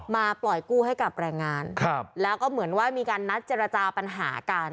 มาปล่อยกู้ให้กับแรงงานแล้วก็เหมือนว่ามีการนัดเจรจาปัญหากัน